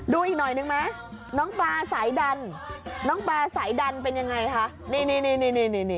ดูอีกหน่อยนึงไหมน้องปลาสายดันน้องปลาสายดันเป็นยังไงคะนี่นี่